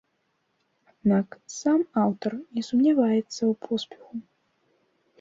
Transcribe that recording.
Аднак сам аўтар не сумняваецца ў поспеху.